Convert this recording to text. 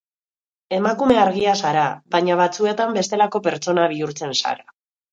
Emakume argia zara, baina batzuetan bestelako pertsona bihurtzen zara.